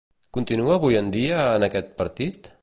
Continua avui en dia en aquest partit?